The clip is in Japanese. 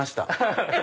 ハハハ！